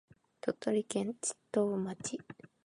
鳥取県智頭町